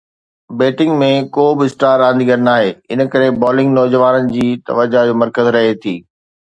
batting ۾ ڪو به star رانديگر ناهي، ان ڪري بالنگ نوجوانن جي توجه جو مرڪز رهي ٿي